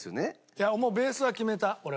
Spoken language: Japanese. いやもうベースは決めた俺は。